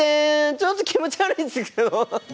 ちょっと気持ち悪いんですけど。